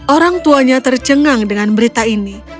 orang tuanya tercengang dengan berita ini